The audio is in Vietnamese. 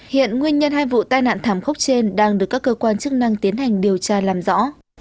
hiện nguyên nhân hai vụ tai nạn thảm khốc trên đang được các cơ quan chức năng tiến hành điều tra làm rõ